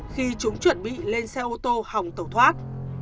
khi chúng chuẩn bị lên xe ô tô hồng tẩu thoát